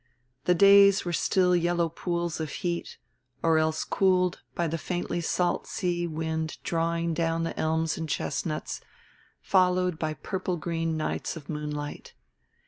The days were still yellow pools of heat, or else cooled by the faintly salt sea wind drawing down the elms and chestnuts, followed by purple green nights of moonlight.